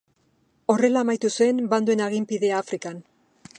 Horrela amaitu zen bandaloen aginpidea Afrikan.